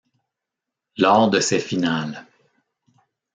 Lors de ces finales.